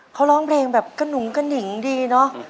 เขาร้องเพลงแบบกระหนุงกระหนิงดีเนอะ